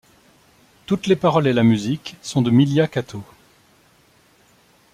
Toutes les paroles et la musique sont de Miliyah Katō.